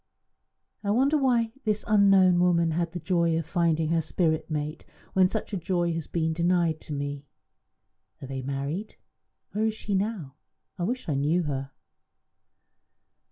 I wonder why this unknown woman had the joy of finding her spirit mate when such a joy has been denied to me? Are they married? Where is she now? I wish I knew her."